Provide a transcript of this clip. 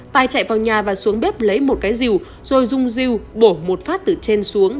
tài chạy vào nhà và xuống bếp lấy một cái rìu rồi dung diêu bổ một phát từ trên xuống